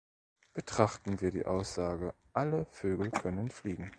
Betrachten wir die Aussage „Alle Vögel können fliegen“.